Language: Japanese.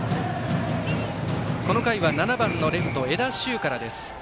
この回は７番のレフト、江田修からです。